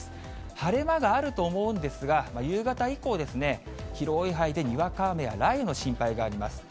晴れ間があると思うんですが、夕方以降ですね、広い範囲でにわか雨や雷雨の心配があります。